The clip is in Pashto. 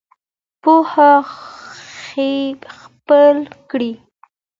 پوهنه خپره کړه.